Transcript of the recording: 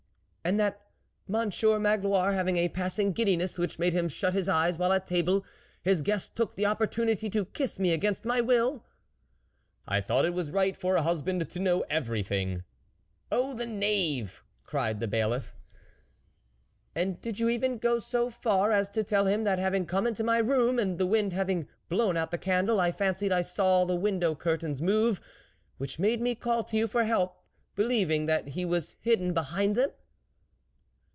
" And that Monsieur Magloire having a passing giddiness which made him shut his eyes while at table, his guest took the opportunity to kiss me against my will ?"" I thought it was right for a husband to know everything." " Oh ! the knave !" cried the Bailiff. " And did you even go so far as to tell him that having come into my room, and the wind having blown out the candle, I fancied I saw the window curtains move, which made me call to you for help, be lieving that he was hidden behind them